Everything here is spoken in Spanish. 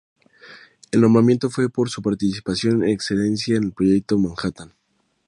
El nombramiento fue por su participación en excedencia en el proyecto Manhattan.